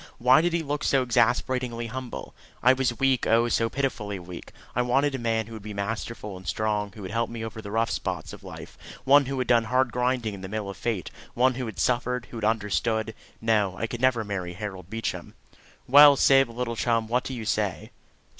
Why did he look so exasperatingly humble? I was weak, oh, so pitifully weak! I wanted a man who would be masterful and strong, who would help me over the rough spots of life one who had done hard grinding in the mill of fate one who had suffered, who had understood. No; I could never marry Harold Beecham. "Well, Syb, little chum, what do you say?"